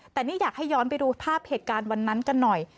แต่นี่อยากให้ย้อนไปดูภาพเหตุการณ์วันนั้นกันหน่อย